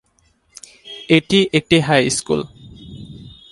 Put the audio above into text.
এটি একটি হাইস্কুল।